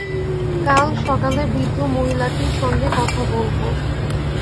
কাল সকালে বৃদ্ধ মহিলাটির সঙ্গে কথা বলব।